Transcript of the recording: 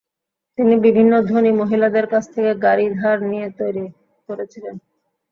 তিনি বিভিন্ন ধনী মহিলাদের কাছ থেকে গাড়ি ধার নিয়ে তৈরী করেছিলেন।